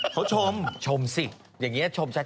เขาชมชมสิอย่างนี้ชมชัด